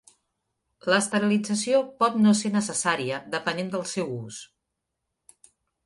L'esterilització pot no ser necessària depenent del seu ús.